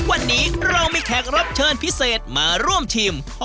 วันนี้เรามีแขกรับเชิญพิเศษมาร่วมชิม